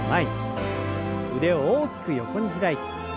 腕を大きく横に開いて。